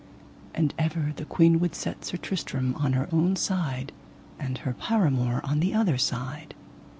And ever the queen would set Sir Tristram on her own side, and her paramour on the other side.